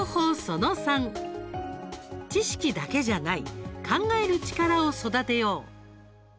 その３知識だけじゃない考える力を育てよう。